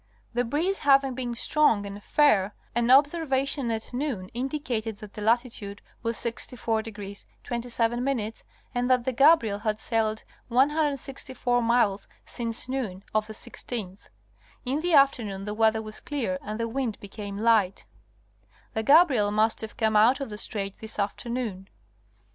The breeze having been strong and fair an obser vation at noon indicated that the latitude was 64° 27' and that the Gabriel had sailed 164 miles since noon of the 16th. In the afternoon the weather was clear and the wind became lght. (The Gabriel must have come out of the strait this afternoon).